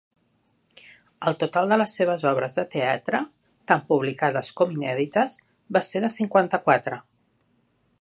El total de les seves obres de teatre, tant publicades com inèdites, va ser de cinquanta-quatre.